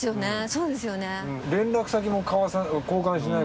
そうですよね。